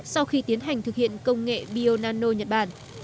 sau khi tiến hành thực hiện công nghệ bio nano nhật bản